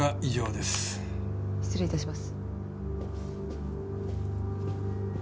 失礼いたします。